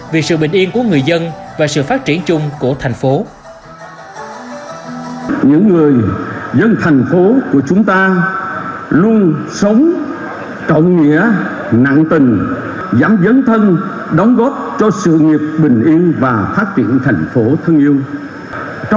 vì sự bình yên của người dân và sự phát triển chung của thành phố